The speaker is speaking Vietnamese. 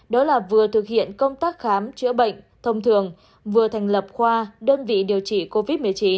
đó là vừa thực hiện công tác khám chữa bệnh thông thường vừa thành lập khoa đơn vị điều trị covid một mươi chín